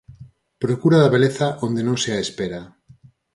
Procura da beleza onde non se a espera.